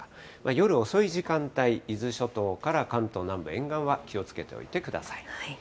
夜遅い時間帯、伊豆諸島から関東南部沿岸は気をつけておいてください。